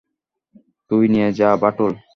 তুই নিয়ে যা বাটুল।